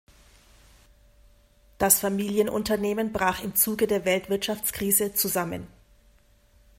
Das Familienunternehmen brach im Zuge der Weltwirtschaftskrise zusammen.